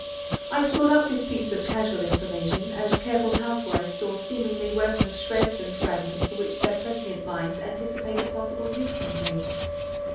I stored up this piece of casual information, as careful housewives store seemingly worthless shreds and fragments for which their prescient minds anticipate a possible use some day.